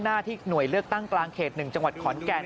หน้าที่หน่วยเลือกตั้งกลางเขต๑จังหวัดขอนแก่น